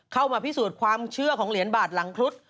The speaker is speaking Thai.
เข้ามาพิสูจน์ความเชื่อของเหรียญบาทหลังครุฑ